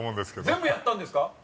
全部やったんですか？